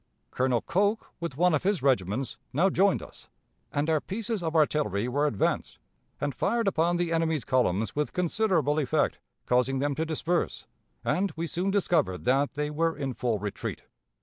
Colonel Cocke, with one of his regiments, now joined us, and our pieces of artillery were advanced and fired upon the enemy's columns with considerable effect, causing them to disperse, and we soon discovered that they were in full retreat....